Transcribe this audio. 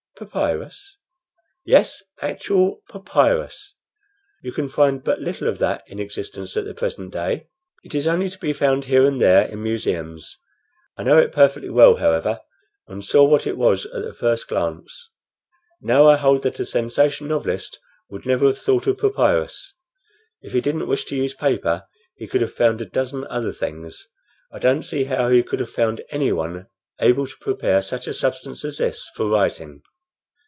"Papyrus?" "Yes, actual papyrus. You can find but little of that in existence at the present day. It is only to be found here and there in museums. I know it perfectly well, however, and saw what it was at the first glance. Now, I hold that a sensation novelist would never have thought of papyrus. If he didn't wish to use paper, he could have found a dozen other things. I don't see how he could have found anyone able to prepare such a substance as this for writing.